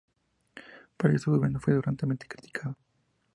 Por ello su gobierno fue duramente criticado.